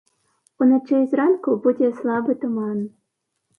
Уначы і зранку будзе слабы туман.